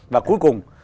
và cuối cùng